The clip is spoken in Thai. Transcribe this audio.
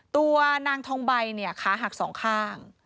ตัวนางทองใบเนี่ยขาหักสองข้าง